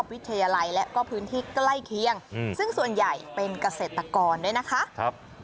วิทยาลัยและก็พื้นที่ใกล้เคียงซึ่งส่วนใหญ่เป็นเกษตรกรด้วยนะคะ